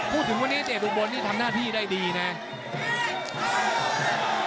พูดถึงว่าเด็ดอุบลทำหน้าที่ได้ดีเนี่ย